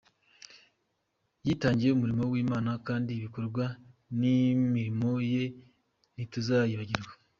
Yitangiye umurimo w’Imana kandi ibikorwa n’imirimo ye ntituzabyibagirwa.